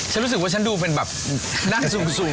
ช่างสิว่าดูเป็นนั่งสูง